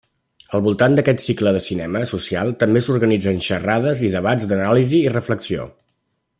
Al voltant d'aquest cicle de cinema social també s'organitzen xerrades i debats d'anàlisi i reflexió.